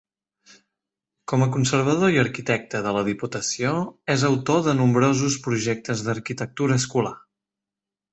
Com a conservador i arquitecte de la Diputació és autor de nombrosos projectes d'arquitectura escolar.